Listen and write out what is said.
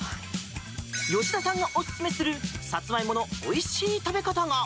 吉田さんがおすすめするサツマイモのおいしい食べ方が。